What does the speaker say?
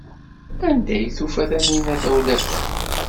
Anda ay tufa Taninna tawlaft-a?